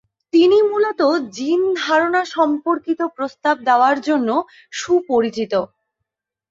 তিনি মূলত জিন ধারণা সর্ম্পকিত প্রস্তাব দেওয়ার জন্য সুপরিচিত।